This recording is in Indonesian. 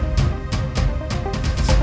aku mau ke sana